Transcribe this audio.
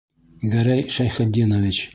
Гәрәй Шәйхетдинович!